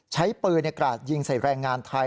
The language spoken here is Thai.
ใช้ปืนกราดยิงใส่แรงงานไทย